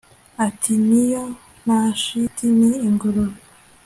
Ati Ni yo nta shiti ni ingurube